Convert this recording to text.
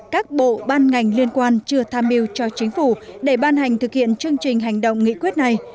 các bộ ban ngành liên quan chưa tham mưu cho chính phủ để ban hành thực hiện chương trình hành động nghị quyết này